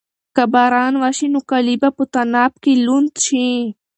که باران وشي نو کالي به په طناب لوند شي.